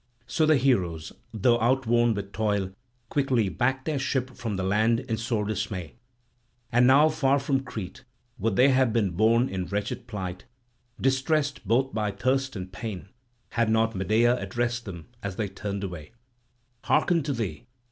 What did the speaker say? So the heroes, though outworn with toil, quickly backed their ship from the land in sore dismay. And now far from Crete would they have been borne in wretched plight, distressed both by thirst and pain, had not Medea addressed them as they turned away: "Hearken to me.